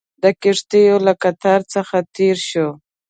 د کښتیو له قطار څخه تېر شوو.